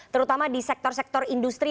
terutama di sektor sektor industri